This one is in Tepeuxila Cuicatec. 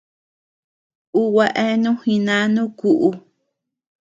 Ú gua eanu jinánu kúʼu.